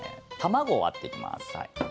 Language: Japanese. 卵を割っていきます。